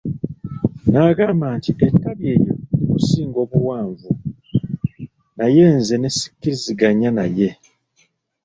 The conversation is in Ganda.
N'agamba nti ettabi eryo likusinga obuwanvu, naye nze ne sikkiriziganya naye.